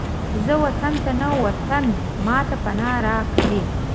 زه وطن ته نه، وطن ماته پناه راکوي